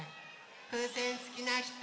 ふうせんすきなひと？